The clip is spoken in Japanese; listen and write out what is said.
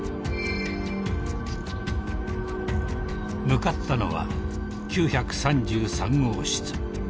［向かったのは９３３号室］